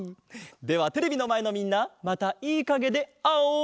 ではテレビのまえのみんなまたいいかげであおう！